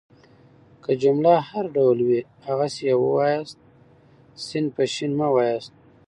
که جمله هر ډول وي هغسي يې وایاست. س په ش مه واياست.